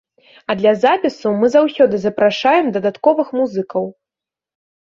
А для запісу мы заўсёды запрашаем дадатковых музыкаў.